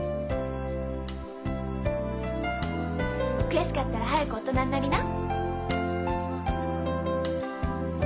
悔しかったら早く大人になりな。